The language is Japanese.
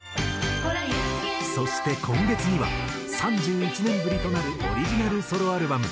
そして今月には３１年ぶりとなるオリジナルソロアルバム